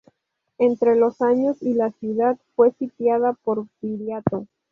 Entre los años y la ciudad fue sitiada por Viriato.